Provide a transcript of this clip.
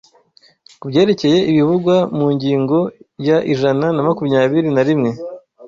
ku byerekeye ibivugwa mu ngingo ya ijana na makumyabiri na rimwe